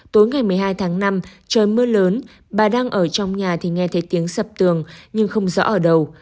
tối ngày một mươi hai tháng năm trời mưa lớn bà đang ở trong nhà thì nghe thấy tiếng sập tường nhưng không rõ ở đầu